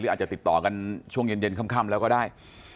อาจจะติดต่อกันช่วงเย็นค่ำแล้วก็ได้